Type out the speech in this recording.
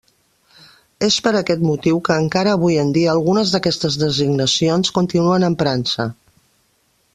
És per aquest motiu que encara avui en dia algunes d'aquestes designacions continuen emprant-se.